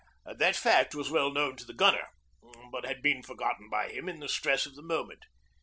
That fact was well known to the Gunner, but had been forgotten by him in the stress of the moment.